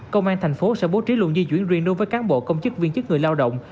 công an thành phố sẽ bố trí luồng di chuyển riêng đối với cán bộ công chức viên chức người lao động